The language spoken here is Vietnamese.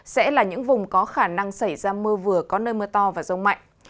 sẽ là những vùng có khả năng xảy ra mưa vừa có nơi mưa to và rông mạnh